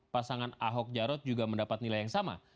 pasangan ahok jarot juga mendapat nilai yang sama